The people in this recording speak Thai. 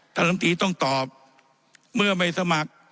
ท่านธนตรีต้องตอบเมื่อไม่สมัคร